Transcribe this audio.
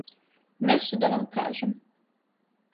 Нешто да вам кажем.